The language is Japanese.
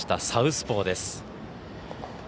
サウスポーです。